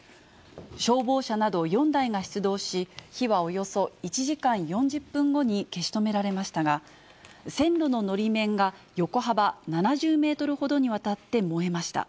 消防車など４台が出動し、火はおよそ１時間４０分後に消し止められましたが、線路ののり面が横幅７０メートルほどにわたって燃えました。